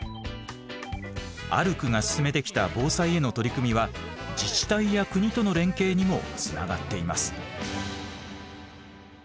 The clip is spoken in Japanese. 「あるく」が進めてきた防災への取り組みは自治体や国との連携にもつながっています。